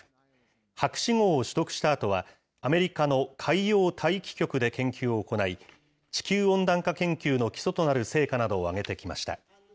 博士号を取得したあとは、アメリカの海洋大気局で研究を行い、地球温暖化研究の基礎となる成果などを上げてきました。